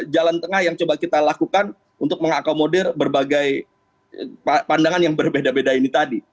jalan tengah yang coba kita lakukan untuk mengakomodir berbagai pandangan yang berbeda beda ini tadi